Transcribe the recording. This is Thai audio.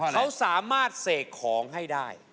เขาสามารถเสกของให้ได้